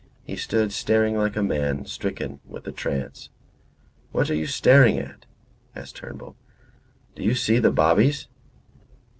He stood staring like a man stricken with a trance. "What are you staring at?" asked Turnbull. "Do you see the bobbies?"